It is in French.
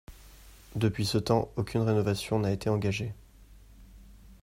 Depuis ce temps aucune rénovation n'a été engagée.